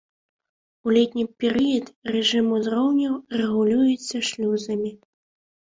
У летні перыяд рэжым узроўняў рэгулюецца шлюзамі.